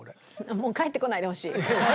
もう帰ってこないでほしい。